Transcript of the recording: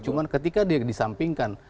cuma ketika dia disampingkan